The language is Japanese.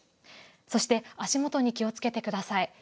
そして足元に気をつけてください。